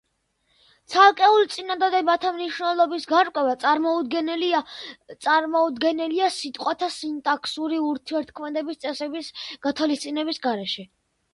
ცალკეულ წინადადებათა მნიშვნელობების გარკვევა წარმოუდგენელია სიტყვათა სინტაქსური ურთიერთქმედების წესების გათვალისწინების გარეშე.